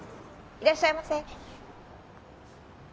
いらっしゃいませ。